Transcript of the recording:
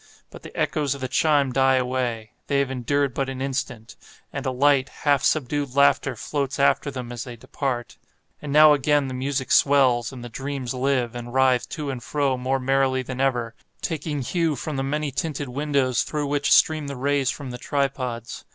But the echoes of the chime die away—they have endured but an instant—and a light, half subdued laughter floats after them as they depart. And now again the music swells, and the dreams live, and writhe to and fro more merrily than ever, taking hue from the many tinted windows through which stream the rays from the tripods.